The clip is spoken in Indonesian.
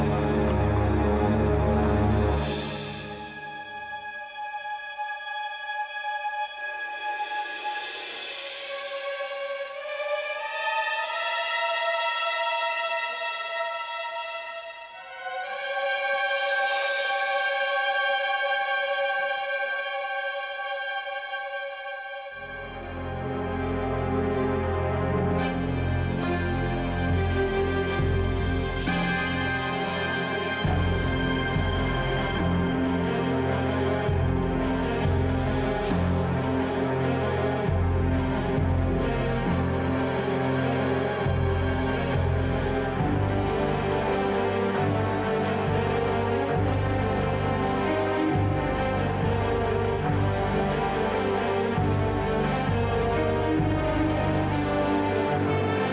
terima kasih suster